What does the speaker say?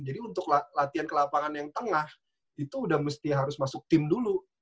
jadi untuk latihan ke lapangan yang tengah itu udah mesti harus masuk tim dulu